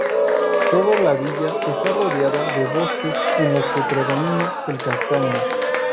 Todo la villa está rodeada de bosques en los que predomina el castaño.